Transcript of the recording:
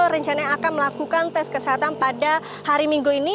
rencana akan melakukan tes kesehatan pada hari minggu ini